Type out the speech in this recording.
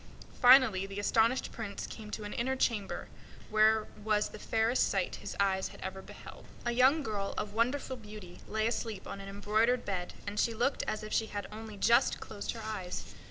Finally, the astonished Prince came to an inner chamber, where was the fairest sight his eyes ever beheld. A young girl of wonderful beauty lay asleep on an embroidered bed, and she looked as if she had only just closed her eyes.